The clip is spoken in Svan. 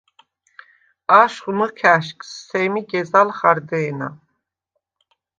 აშხვ მჷქა̈შგს სემი გეზალ ხარდე̄ნა.